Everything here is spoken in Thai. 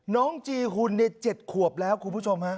น้องจีหุ่นในเจ็ดขวบแล้วคุณผู้ชมฮะ